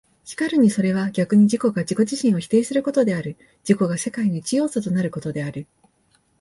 然るにそれは逆に自己が自己自身を否定することである、自己が世界の一要素となることである。